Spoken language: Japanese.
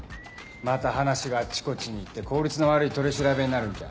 また話があっちこっちにいって効率の悪い取り調べになるんじゃ。